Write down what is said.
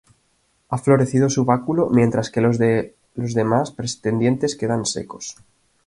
Ha florecido su báculo mientras que los de los demás pretendientes quedan secos.